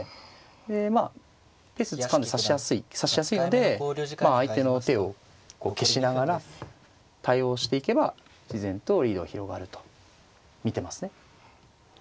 でまあペースつかんで指しやすいのでまあ相手の手を消しながら対応していけば自然とリードが広がると見てますね。